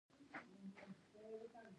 سیکهانو هیڅ مقاومت ونه کړ.